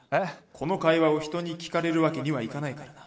この会話を人に聞かれるわけにはいかないからだ」。